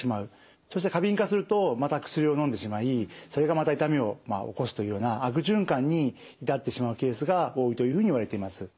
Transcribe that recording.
そして過敏化するとまた薬をのんでしまいそれがまた痛みを起こすというような悪循環に至ってしまうケースが多いというふうにいわれています。